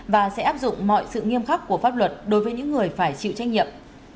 và sẽ áp dụng mọi sự nghiêm khắc của pháp luật đối với những người phải chịu trách nhiệm